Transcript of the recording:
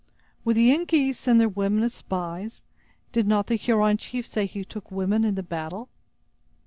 "Would the Yengeese send their women as spies? Did not the Huron chief say he took women in the battle?"